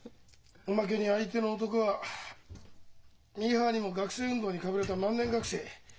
おまけに相手の男はミーハーにも学生運動にかぶれた万年学生。